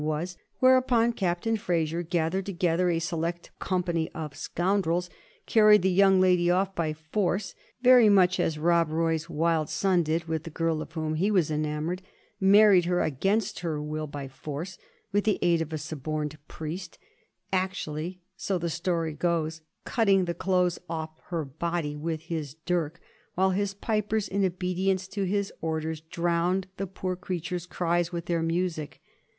was ; whereupon Captain Fraser gathered together a se lect company of scoundrels, carried the young lady off by force, very much as Rob Roy's wild son did with the girl of whom he was enamoured, married her against her will by force, with the aid of a suborned priest, actually, so the story goes, cutting the clothes off her body with his dirk, while his pipers, in obedience to his orders, drowned the poor creature's cries with their music.